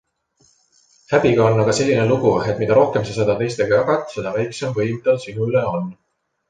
Häbiga on aga selline lugu, et mida rohkem sa seda teistega jagad, seda väiksem võim tal sinu üle on.